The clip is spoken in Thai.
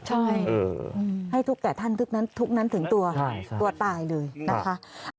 ใช่ให้ทุกแก่ท่านทุกนั้นถึงตัวตัวตายเลยนะคะ